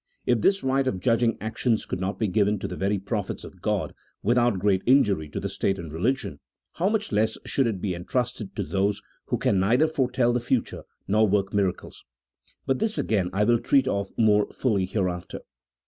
If this right of judging actions could not be given to the very prophets of God without great injury to the state and religion, how much less should it be entrusted to those who can neither foretell the future nor work miracles ! But this again I will treat of more fully hereafter.